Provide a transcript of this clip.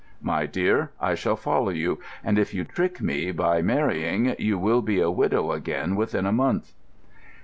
'My dear, I shall follow you. And if you trick me, by marrying, you will be a widow again within a month.